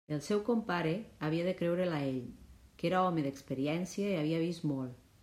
El seu compare havia de creure'l a ell, que era home d'experiència i havia vist molt.